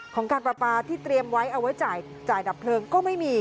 ของการประปาที่เตรียมไว้เอาไว้จ่ายดับเพลิงก็ไม่มี